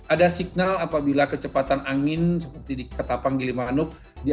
ada signal apabila kecepatan angin seperti di ketapang di limah nuk di atas tiga puluh dua knot